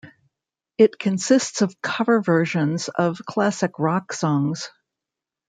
It consists of cover versions of classic rock songs.